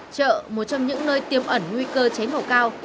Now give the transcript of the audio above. chợ một trong những nơi tiêm ẩn nguy cơ cháy nổ cao